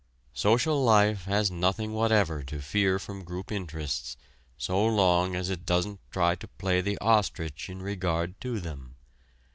Social life has nothing whatever to fear from group interests so long as it doesn't try to play the ostrich in regard to them.